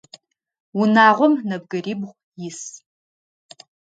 Унагъом нэбгырибгъу ис.